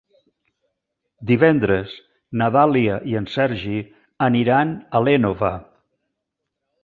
Divendres na Dàlia i en Sergi aniran a l'Énova.